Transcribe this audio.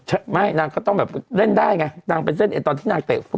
ใช่ไม่นางก็ต้องแบบเล่นได้ไงนางเป็นเส้นเอ็นตอนที่นางเตะฟุ